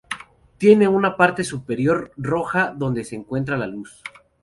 Tiene una parte superior roja donde se encuentra la luz.